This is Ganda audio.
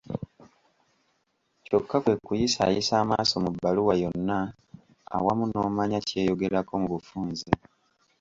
Ky'okola kwekuyisaayisa amaaso mu bbaluwa yonna awamu n'omanya ky'eyogerako mu bufunze.